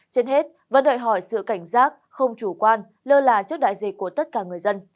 trên hết và đòi hỏi sự cảnh giác không chủ quan lơ là trước đại dịch của tất cả người dân